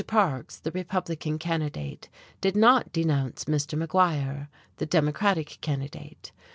Parks, the Republican candidate, did not denounce Mr. MacGuire, the Democratic candidate.